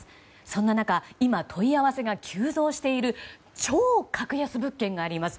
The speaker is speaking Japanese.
そんな中今、問い合わせが急増している超格安物件があります。